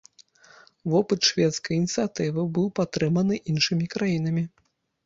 Вопыт шведскай ініцыятывы быў падтрыманы іншымі краінамі.